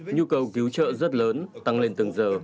nhu cầu cứu trợ rất lớn tăng lên từng giờ